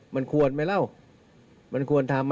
มันควรไหมเล่ามันควรทำไหมล่ะ